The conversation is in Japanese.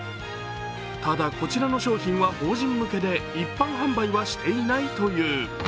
ただ、こちらの商品は法人向けで一般販売はしていないという。